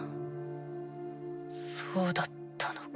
そうだったのか。